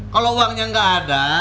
kalau uangnya gak ada